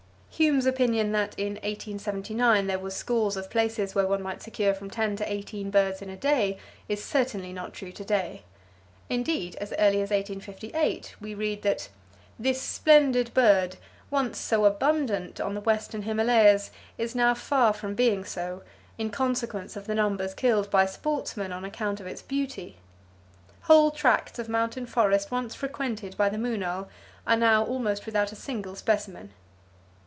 Hume's opinion that in 1879 there were scores of places where one might secure from ten to eighteen birds in a day, is certainly not true to day. Indeed, as early as 1858 we read that "This splendid bird, once so abundant on the Western Himalayas is now far from being so, in consequence of the numbers killed by sportsmen on account of its beauty. Whole tracts of mountain forest once frequented by the moonal are now [Page 198] almost without a single specimen."